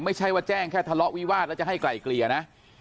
ไม่ใช่ว่าแจ้งแค่ทะเลาะวิวาสแล้วจะให้ไกลเกลี่ยนะ